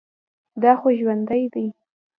دا خو ژوندى دى.